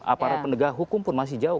aparat penegak hukum pun masih jauh